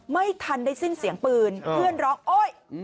ไม่ทันได้สิ้นเสียงปืนเพื่อนร้องโอ๊ย